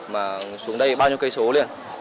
mà xuống đây bao nhiêu cây số liền